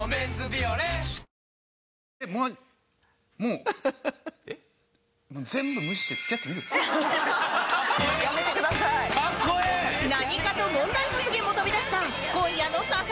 何かと問題発言も飛び出した今夜の『刺さルール！』は